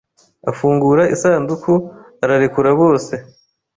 Afungura isanduku ararekura bose